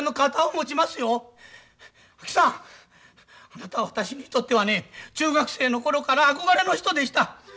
あなたは私にとってはね中学生の頃から憧れの人でした。